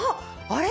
あれ？